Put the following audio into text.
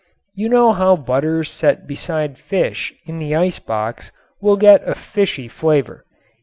You know how butter set beside fish in the ice box will get a fishy flavor.